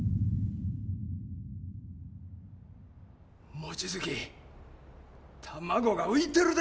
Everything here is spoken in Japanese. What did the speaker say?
望月卵が浮いてるで！